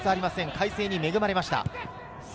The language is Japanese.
快晴に恵まれました。